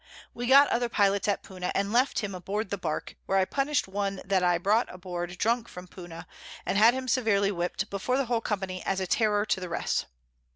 We got other Pilots at Puna, and left him aboard the Bark, where I punish'd one that I brought aboard drunk from Puna, and had him severely whipt before the whole Company as a Terror to the rest.